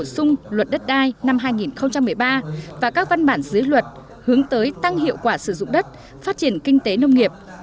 bổ sung luật đất đai năm hai nghìn một mươi ba và các văn bản dưới luật hướng tới tăng hiệu quả sử dụng đất phát triển kinh tế nông nghiệp